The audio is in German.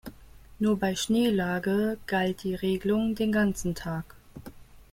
Nur bei Schneelage galt die Regelung den ganzen Tag.